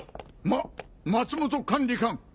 ま松本管理官！